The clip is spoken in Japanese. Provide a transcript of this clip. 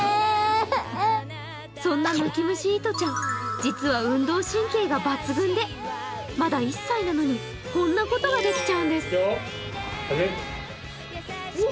そんな泣き虫いとちゃん、実は運動神経が抜群でまだ１歳なのに、こんなことができちゃうんです。